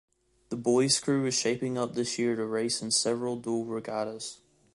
The boys crew is shaping up this year to race in several dual regattas.